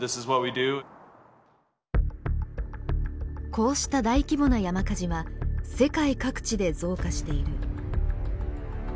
こうした大規模な山火事は世界各地で増加している。